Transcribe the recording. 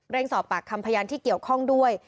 สอบปากคำพยานที่เกี่ยวข้องด้วย